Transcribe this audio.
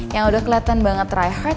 yang udah keliatan banget try hard